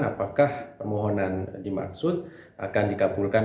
apakah permohonan dimaksud akan dikabulkan